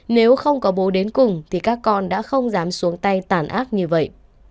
nếu không có bố đến cùng thì các con đã không dám xuống tay tàn ác như vậy